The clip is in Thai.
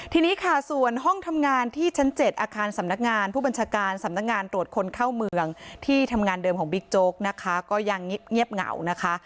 ทีนี้ค่ะส่วนห้องทำงานที่ชั้น๗อาคารสำนักงานผู้บัญชาการสำนักงานตรวจคนเข้าเมืองที่ทำงานเดิมของบิ๊กโจ๊กนะคะก็ยังเงียบเหงานะคะ